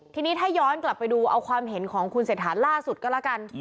ทีนี้ถ้าย้อนกลับไปดูเอาความเห็นของคุณเศรษฐาล่าสุดก็แล้วกัน